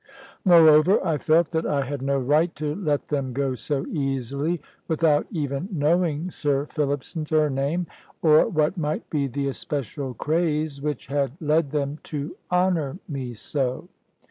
Moreover, I felt that I had no right to let them go so easily, without even knowing Sir Philip's surname, or what might be the especial craze which had led them to honour me so.